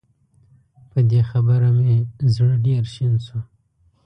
په دې خبره مې زړه ډېر شين شو